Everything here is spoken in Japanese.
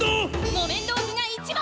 木綿豆腐が一番！